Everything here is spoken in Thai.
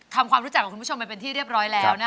ทำความรู้จักกับคุณผู้ชมไปเป็นที่เรียบร้อยแล้วนะคะ